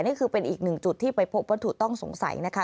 นี่คือเป็นอีกหนึ่งจุดที่ไปพบวัตถุต้องสงสัยนะคะ